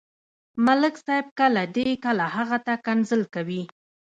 ملک صاحب کله دې، کله هغه ته کنځل کوي.